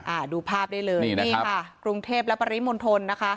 อ่าดูภาพได้เลยนี่นะครับนี่ค่ะกรุงเทพฯและปริมนต์ธนตร์นะคะ